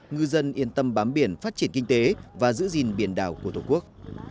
ngư dân yên tâm bám biển phát triển kinh tế và giữ gìn biển đảo của tổ quốc